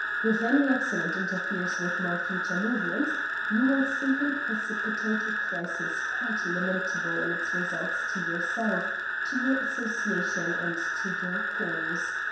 If any accident interferes with my future movements, you will simply precipitate a crisis quite lamentable in its results to yourself, to your association, and to your cause.